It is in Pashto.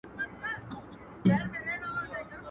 هر ملت خپل فرهنګ لري